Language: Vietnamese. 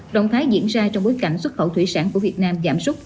động thái diễn ra trong bối cảnh xuất khẩu thủy sản của việt nam giảm súc